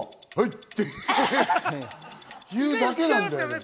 って言うだけなんだよね。